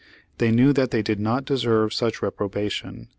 They knew that they did not deserve such reprobation.